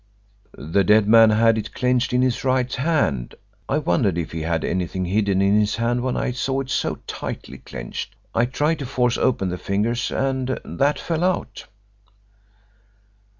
"The dead man had it clenched in his right hand. I wondered if he had anything hidden in his hand when I saw it so tightly clenched. I tried to force open the fingers and that fell out."